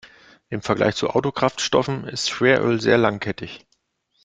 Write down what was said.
Im Vergleich zu Autokraftstoffen ist Schweröl sehr langkettig.